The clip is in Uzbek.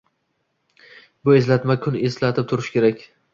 Bu eslatma kun eslatib turishi kerak.